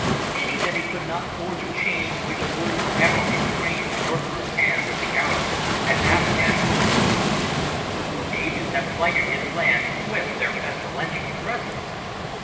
Pity that he could not forge a chain which would for ever restrain the murderous hands of the Arabs and half caste Portuguese, who, for ages, have blighted his land with their pestilential presence!